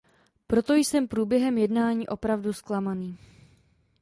Proto jsem průběhem jednání opravdu zklamaný.